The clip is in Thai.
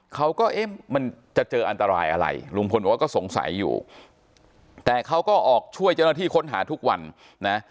เขาก็เอ๊ะมันจะเจออันตรายอะไรลุงพลบอกว่าก็สงสัยอยู่แต่เขาก็ออกช่วยเจ้าหน้าที่ค้นหาทุกวันนะ